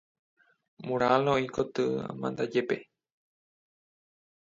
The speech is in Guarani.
Mural oĩ koty amandajépe.